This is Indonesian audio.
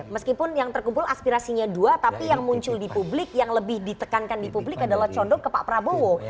meskipun yang terkumpul aspirasinya dua tapi yang muncul di publik yang lebih ditekankan di publik adalah condok ke pak prabowo